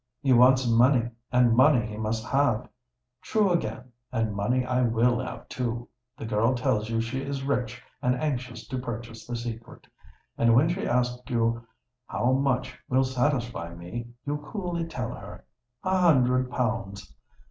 —'He wants money; and money he must have.'—True again: and money I will have too. The girl tells you she is rich and anxious to purchase the secret; and when she asks you how much will satisfy me, you coolly tell her, '_A hundred pounds!